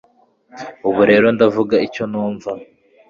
Ubu rero ndavuga icyo numva